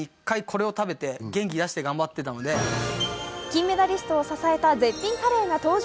金メダリストを支えた絶品カレーが登場。